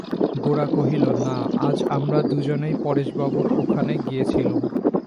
গোরা কহিল, না, আজ আমরা দুজনেই পরেশবাবুর ওখানে গিয়েছিলুম।